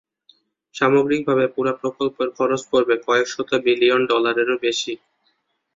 সামগ্রিকভাবে পুরো প্রকল্পের খরচ পড়বে কয়েকশত বিলিয়ন ডলারেরও বেশি।